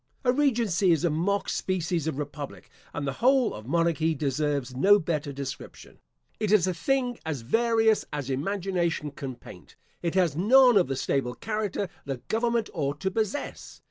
A regency is a mock species of republic, and the whole of monarchy deserves no better description. It is a thing as various as imagination can paint. It has none of the stable character that government ought to possess.